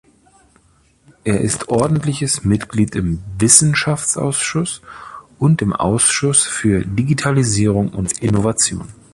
Er ist ordentliches Mitglied im Wissenschaftsausschuss und im Ausschuss für Digitalisierung und Innovation.